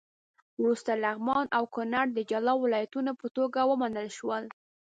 وروسته لغمان او کونړ د جلا ولایتونو په توګه ومنل شول.